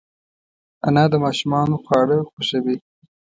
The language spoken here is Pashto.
انا د ماشومانو خواړه خوښوي